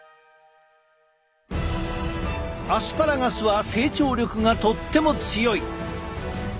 アスパラガスは成長力がとっても強い。